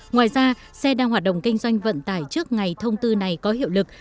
ngoài ra xe đang hoạt động kinh doanh vận tải trước ngày thông tư này có hiệu lực